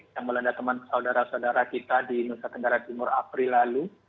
yang melanda teman saudara saudara kita di nusa tenggara timur april lalu